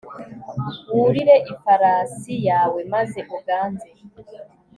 wurire ifarasi yawe, maze uganze